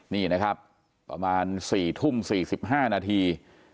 นี่นะครับประมาณ๔ทุ่ม๔๕นาที